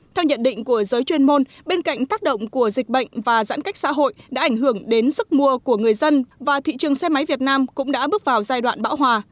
theo nhận định của giới chuyên môn bên cạnh tác động của dịch bệnh và giãn cách xã hội đã ảnh hưởng đến sức mua của người dân và thị trường xe máy việt nam cũng đã bước vào giai đoạn bão hòa